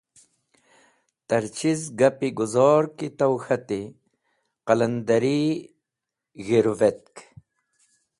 Ta’r chiz gapi guzor ki taw k̃hati qalandari g̃hirũvetk.